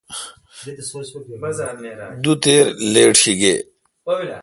دو تھیر لیٹ شی گے۔